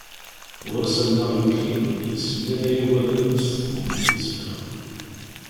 Ɣur-s allaɣ yukin, yessemlalay awalen tteffɣen-d d isefra.